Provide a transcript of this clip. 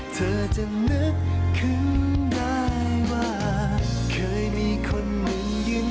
สแตมเขาจะมีเหตุผล